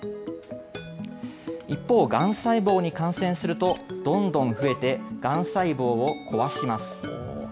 一方、がん細胞に感染すると、どんどん増えて、がん細胞を壊します。